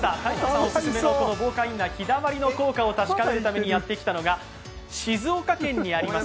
オススメの防寒インナーひだまりの効果を確かめにやって来たのは静岡県にあります